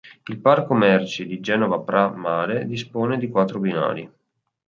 Il parco merci di Genova Pra' Mare dispone di quattro binari.